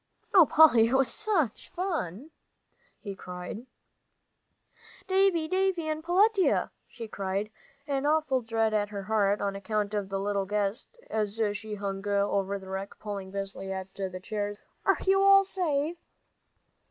"Oh, Polly, it was such fun!" he cried. "Davie! Davie and Peletiah!" cried Polly, an awful dread at her heart, on account of the little guest, as she hung over the wreck, pulling busily at the chairs, "are you all safe?"